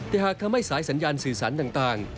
แต่หากทำให้สายสัญญาณสื่อสารต่าง